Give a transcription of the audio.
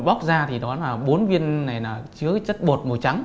bọc ra thì bốn viên này là chứa chất bột màu trắng